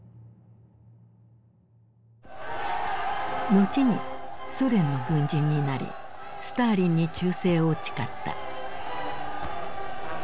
後にソ連の軍人になりスターリンに忠誠を誓った。